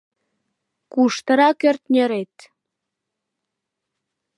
Куштырак ӧртньӧрет?